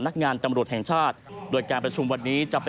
เข้าไป